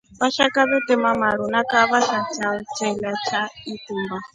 Vashaka vetema maru na kahava sha chao chelya na ikumba.